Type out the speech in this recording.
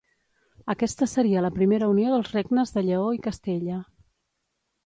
Aquesta seria la primera unió dels regnes de Lleó i Castella.